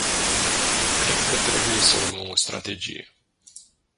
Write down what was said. Cred că trebuie să urmăm o strategie.